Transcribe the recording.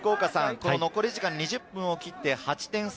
残り時間２０分を切って８点差。